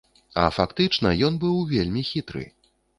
А фактычна ён быў вельмі хітры.